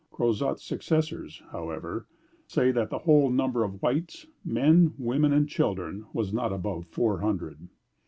Crozat's successors, however, say that the whole number of whites, men, women, and children, was not above four hundred.